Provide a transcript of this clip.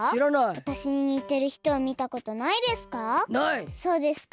わたしににてるひとみたことないですか？